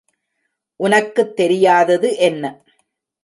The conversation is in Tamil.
உனக்குத் தெரியாதது என்ன?